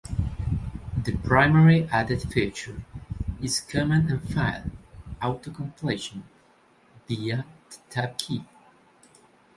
The primary added feature is command and file "auto-completion" via the Tab key.